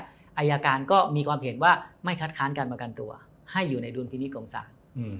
อายการก็มีความเห็นว่าไม่คัดค้านการประกันตัวให้อยู่ในดุลพินิษฐ์ของศาล